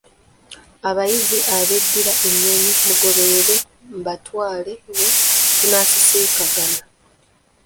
Abayizi ab'eddira ennyonyi mungoberere mbatwale we tunaasisinkanga.